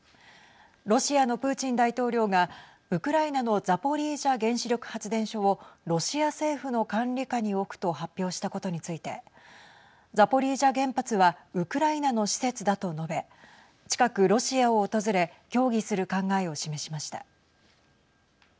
ロシアのプーチン大統領がウクライナのザポリージャ原子力発電所をロシア政府の管理下に置くと発表したことについてザポリージャ原発はウクライナの施設だと述べ近く、ロシアを訪れ協議する考えを示しました。